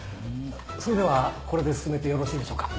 それではこれで進めてよろしいでしょうか。